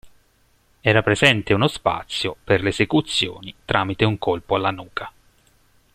Era presente uno spazio per le esecuzioni tramite un colpo alla nuca.